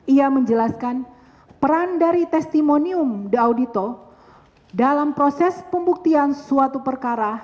ia menjelaskan peran dari testimonium daudito dalam proses pembuktian suatu perkara